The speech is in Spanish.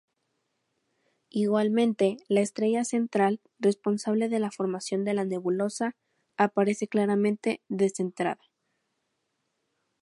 Igualmente, la estrella central, responsable de la formación de la nebulosa, aparece claramente descentrada.